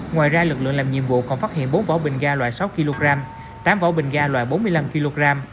ngoài ra lực lượng làm nhiệm vụ còn phát hiện bốn vỏ bình ga loại sáu kg tám vỏ bình ga loại bốn mươi năm kg